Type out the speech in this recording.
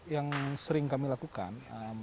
yang sering kami lakukan